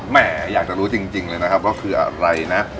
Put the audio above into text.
แม่อยากจะรู้จริงเลยนะครับว่าคืออะไรนะ